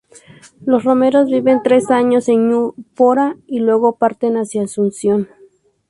Los Romero viven tres años en Ñu-Porá y luego parten hacia Asunción.